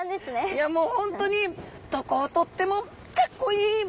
いやもう本当にどこを取ってもかっこいい！